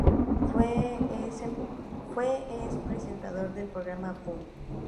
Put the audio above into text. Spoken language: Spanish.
Fue es presentador del programa ¡Boom!